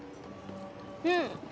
うん。